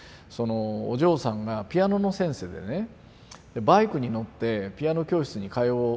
お嬢さんがピアノの先生でねバイクに乗ってピアノ教室に通う。